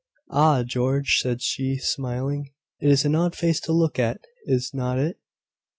"Ah, George," said she, smiling; "it is an odd face to look at, is not it?